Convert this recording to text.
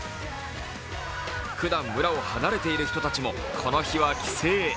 ふだん村を離れている人たちもこの日は帰省。